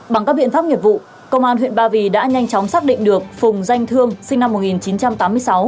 bằng các biện pháp nghiệp vụ công an huyện ba vì đã nhanh chóng xác định được phùng danh thương sinh năm một nghìn chín trăm tám mươi sáu